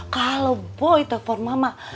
kalau boy telepon mama